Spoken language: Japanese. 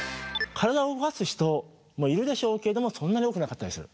海が好きな人もいるでしょうけれどもそんなに多くなかったりする。